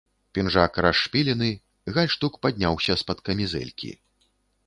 Пінжак расшпілены, гальштук падняўся з-пад камізэлькі.